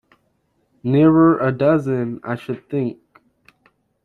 Nearer a dozen, I should think.